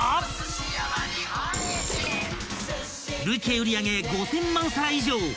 ［累計売り上げ５，０００万皿以上］